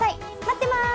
待ってます。